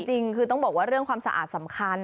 จริงคือต้องบอกว่าเรื่องความสะอาดสำคัญ